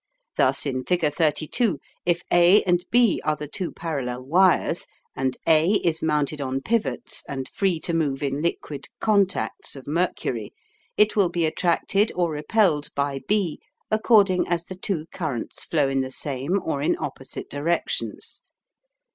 Thus, in figure 32, if A and B are the two parallel wires, and A is mounted on pivots and free to move in liquid "contacts" of mercury, it will be attracted or repelled by B according as the two currents flow in the same or in opposite directions.